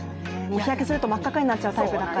日焼けすると真っ赤っかになっちゃうタイプだから。